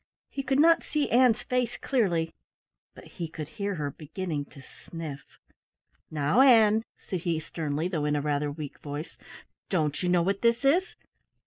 He could not see Ann's face clearly, but he could hear her beginning to sniff. "Now, Ann," said he sternly, though in rather a weak voice, "don't you know what this is?